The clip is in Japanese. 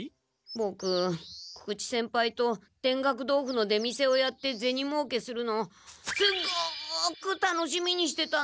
ボク久々知先輩と田楽豆腐の出店をやってゼニもうけするのをすごく楽しみにしてたんですけど。